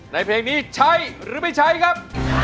เพลงนี้ใช้หรือไม่ใช้ครับ